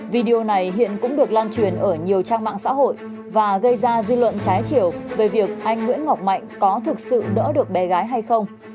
video này hiện cũng được lan truyền ở nhiều trang mạng xã hội và gây ra dư luận trái chiều về việc anh nguyễn ngọc mạnh có thực sự đỡ được bé gái hay không